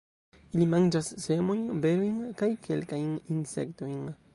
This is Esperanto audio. Ili manĝas semojn, berojn kaj kelkajn insektojn.